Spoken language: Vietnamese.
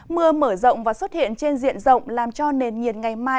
mưa mở rộng và xuất hiện trên diện rộng làm cho nền nhiệt ngày mai